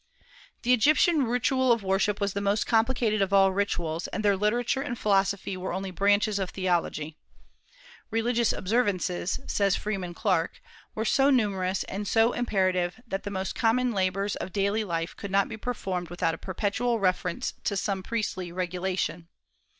The Egyptian ritual of worship was the most complicated of all rituals, and their literature and philosophy were only branches of theology. "Religious observances," says Freeman Clarke, "were so numerous and so imperative that the most common labors of daily life could not be performed without a perpetual reference to some priestly regulation."